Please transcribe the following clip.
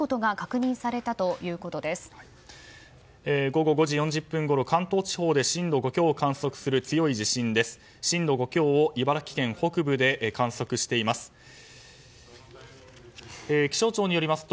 午後５時４０分ごろ関東地方で震度５強を観測する強い地震です。